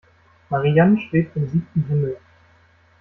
Marian schwebt im siebten Himmel.